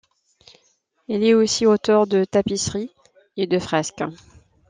Il est aussi auteur de tapisseries et de fresques.